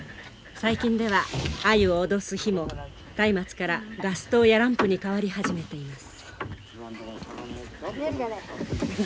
最近ではアユを脅す火もたいまつからガス灯やランプにかわり始めています。